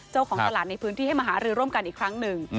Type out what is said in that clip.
เจ้าของตลาดในพื้นที่ให้มาหารือร่วมกันอีกครั้งหนึ่ง